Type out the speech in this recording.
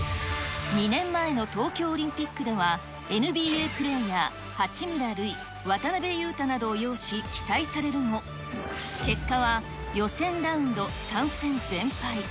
２年前の東京オリンピックでは、ＮＢＡプレーヤー、八村塁、渡邊雄太などを擁し、期待されるも、結果は予選ラウンド３戦全敗。